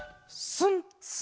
スン！